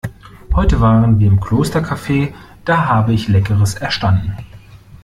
Heute waren wir im Klostercafe, da habe ich Leckeres erstanden.